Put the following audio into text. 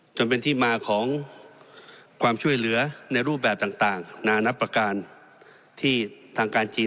จนเป็นที่มาของความช่วยเหลือในรูปแบบต่างนานับประการที่ทางการจีน